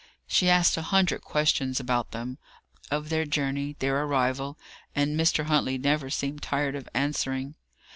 She asked a hundred questions about them of their journey, their arrival and Mr. Huntley never seemed tired of answering.